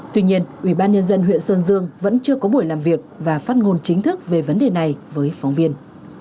tuy nhiên ủy ban nhân dân huyện sơn dương vẫn chưa có buổi làm việc và phát ngôn chính thức về vấn đề này với phóng viên